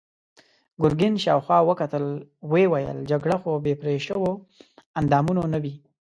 ګرګين شاوخوا وکتل، ويې ويل: جګړه خو بې پرې شويوو اندامونو نه وي.